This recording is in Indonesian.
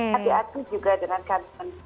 tapi atuh juga dengan karbon juga